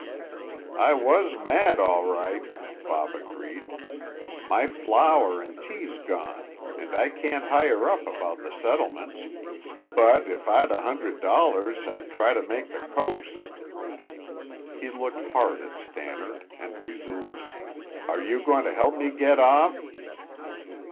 "I was mad all right," Bob agreed. "My flour and tea's gone, and I can't hire up about the settlements, but if I'd a hundred dollars, I'd try to make the coast." He looked hard at Stannard and resumed: "Are you going to help me get off?"